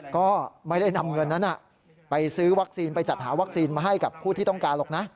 ก็ไม่ได้นำเงินนั้นไปซื้อวัคซีนไปจัดหาวัคซีนมาให้กับผู้ที่ต้องการหรอกนะ